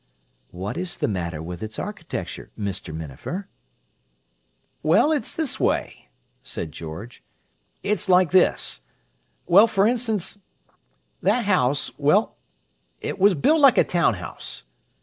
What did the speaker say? "What is the matter with its architecture, Mr. Minafer?" "Well, it's this way," said George. "It's like this. Well, for instance, that house—well, it was built like a town house."